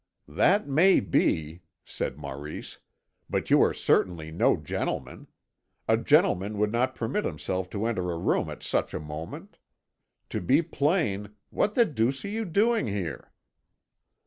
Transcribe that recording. "That may be," said Maurice; "but you are certainly no gentleman. A gentleman would not permit himself to enter a room at such a moment. To be plain, what the deuce are you doing here?"